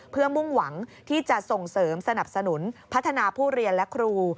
เพื่อมุ่งหวังที่จะส่งเสริมสนับสนุนพัฒนาผู้เรียนและครู